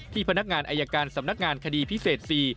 พนักงานอายการสำนักงานคดีพิเศษ๔